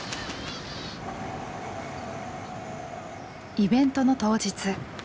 イベントの当日。